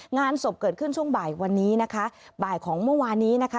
งานศพเกิดขึ้นช่วงบ่ายวันนี้นะคะบ่ายของเมื่อวานนี้นะคะ